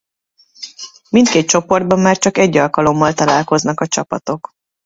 Mindkét csoportban már csak egy alkalommal találkoznak a csapatok.